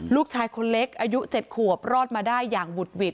ลูกชายคนเล็กอายุ๗ขวบรอดมาได้อย่างบุดหวิด